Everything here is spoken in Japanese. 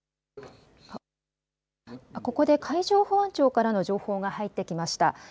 ここで海上保安庁からの情報が入ってきました。